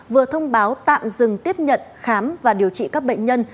vừa thông báo tạm dừng tiếp nhận khám và điều trị các bệnh nhân